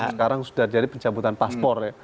sekarang sudah jadi pencabutan paspor ya